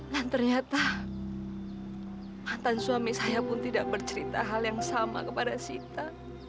dan ternyata mantan suami saya pun tidak bercerita hal yang sama kepada sita